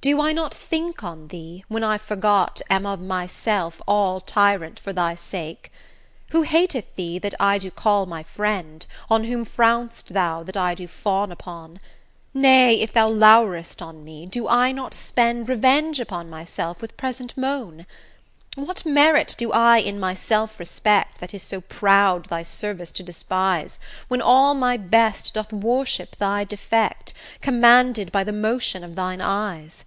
Do I not think on thee, when I forgot Am of my self, all tyrant, for thy sake? Who hateth thee that I do call my friend, On whom frown'st thou that I do fawn upon, Nay, if thou lour'st on me, do I not spend Revenge upon myself with present moan? What merit do I in my self respect, That is so proud thy service to despise, When all my best doth worship thy defect, Commanded by the motion of thine eyes?